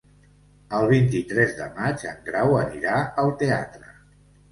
El vint-i-tres de maig en Grau anirà al teatre.